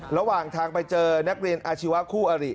ระหว่างทางไปเจอนักเรียนอาชีวะคู่อริ